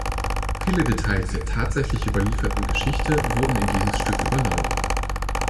Viele Details der tatsächlich überlieferten Geschichte wurden in dieses Stück übernommen.